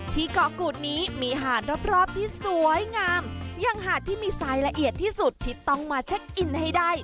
ที่เกาะกูดนี้มีหาดรอบที่สวยงามยังหาดที่มีสายละเอียดที่สุดที่ต้องมาเช็คอินให้ได้